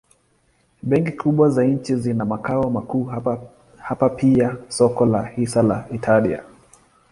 Benki kubwa za nchi zina makao makuu hapa pia soko la hisa la Italia.